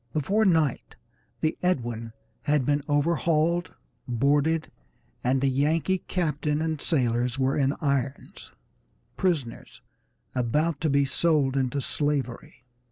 Before night the Edwin had been overhauled, boarded, and the Yankee captain and sailors were in irons, prisoners about to be sold into slavery.